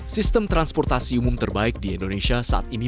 sistem transportasi umum terbaik di indonesia saat ini